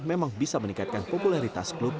memang bisa meningkatkan keuntungan